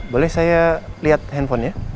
boleh saya lihat handphonenya